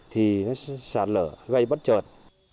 thì nó sạt lở gây bất trợt